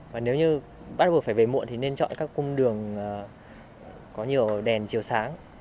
và nếu như bắt buộc phải về muộn thì nên chọn các cung đường có nhiều đèn chiều sáng